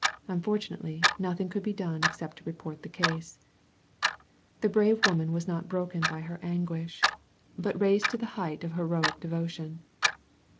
Unfortunately, nothing could be done except to report the case. The brave woman was not broken by her anguish, 6S THE VALLEY OF VISION but raised to the height of hermc devotion.